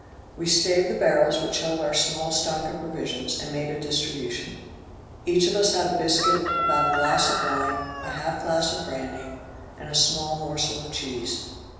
We staved the barrels which held our small stock of provisions, and made a distribution. Each of us had a biscuit, about a glass of wine, a half glass of brandy, and a small morsel of cheese.